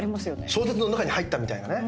小説の中に入ったみたいなね。